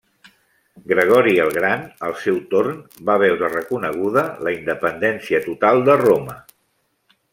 Gregori el Gran, al seu torn, va veure reconeguda la independència total de Roma.